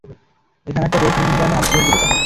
এখানে একটা বউ সামলানো যায় না আর উনি দুটো চায়।